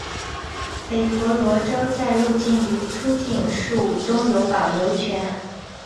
北婆罗洲在入境与出境事务中有保留权。